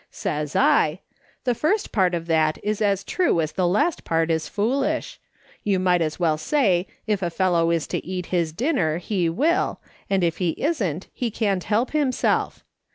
" Says I :' The first part of that is as true as the last part is as foolish. You might as well say if a fellow is to eat his dinner he will, and if he isn't he can't help himself.